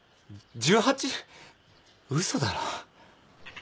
嘘だろ。